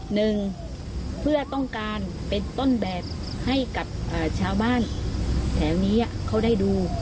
หนึ่งเพื่อต้องการเป็นต้นแบบให้กับชาวบ้านแถวนี้เขาได้ดู